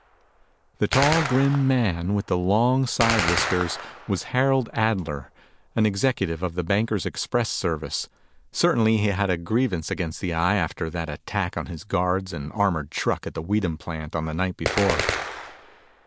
The tall, grim man with the long side whiskers was Harold Adler, an executive of the Bankers Express service. Certainly he had a grievance against the Eye after that attack on his guards and armored truck at the Weedham plant on the night before.